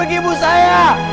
jangan bawa dia